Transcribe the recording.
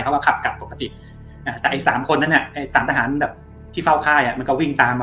แต่ต่อไปจากใปก็เหยื่อวิงคือ